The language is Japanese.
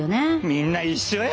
みんな一緒や！